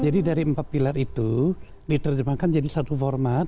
jadi dari empat pilar itu diterjemahkan jadi satu pilar itu berganti tuh